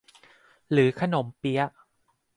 หรือขนมเปี๊ยะ